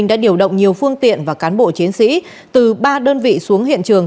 đã điều động nhiều phương tiện và cán bộ chiến sĩ từ ba đơn vị xuống hiện trường